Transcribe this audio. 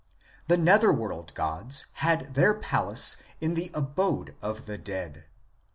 The netherworld gods had their palace in the abode of the dead.